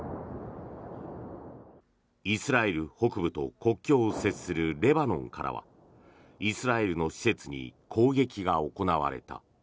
イスラエル北部と国境を接するレバノンからはイスラエルの施設に攻撃が行われた。